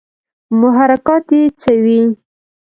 محرکات ئې څۀ وي